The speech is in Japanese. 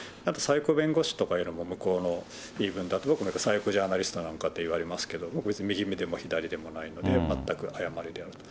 さいこ弁護士とか言うのも向こうの言い分、僕もさいこジャーナリストなのかといわれますけど、別に右でも左でもないので、全く誤りである。